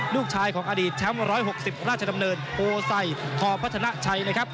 ลูกชายของอดีตแถม๑๖๐ราชดำเนินโพไซทพัฒนาชัย